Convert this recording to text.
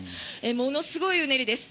ものすごいうねりです。